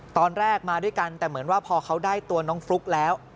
ตอนแรกมาด้วยกันแต่เหมือนว่าพอเขาได้ตัวน้องฟลุ๊กแล้ว